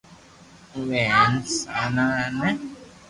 اُو وي ھين س نا ا تي